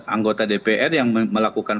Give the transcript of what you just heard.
anggota dpr yang melakukan